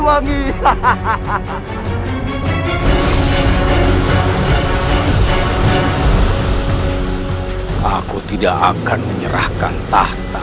aku tidak akan menyerahkan tahta